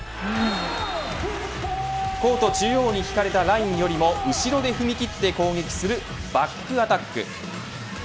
コード中央に引かれたラインよりも後ろで踏み切って攻撃するバックアタック。